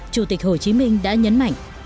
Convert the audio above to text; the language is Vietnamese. chủ tịch hồ chí minh đã nhấn mạnh